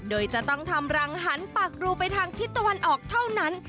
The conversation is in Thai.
โดยจะต้องทำรังหันปากรูไปทางทิศตะวันออกเท่านั้น